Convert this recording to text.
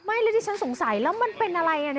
ไม่แล้วที่ฉันสงสัยแล้วมันเป็นอะไร